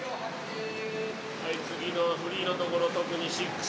次のフリーのところ特に。